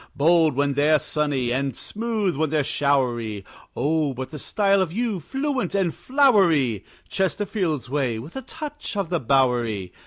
Bold when they're sunny, and smooth when they're showery Oh, but the style of you, fluent and flowery! Chesterfield's way, with a touch of the Bowery!